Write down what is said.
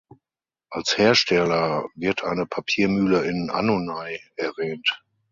Als Hersteller wird eine Papiermühle in Annonay erwähnt.